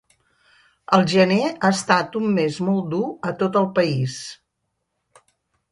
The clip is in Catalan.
El gener ha estat un mes molt dur a tot el país.